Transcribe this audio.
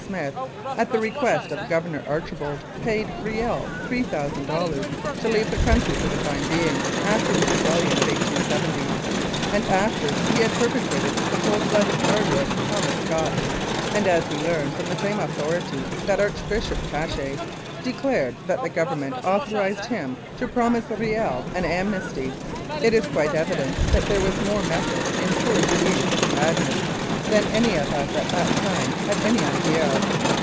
Smith, at the request of Governor Archibald, paid Riel $3,000 to leave the country for the time being, after the Rebellion of 1870, and after he had perpetrated the cold blooded murder of Thomas Scott, and as we learn from the same authority that Archbishop Tache" declared that the Government authorised him to promise Riel an amnesty, it is quite evident that there was more method in poor Louis' madness than any of us at the time had any idea of.